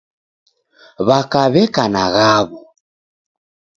W'aka w'eka na ghawo.